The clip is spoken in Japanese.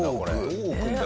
どう置くんだ？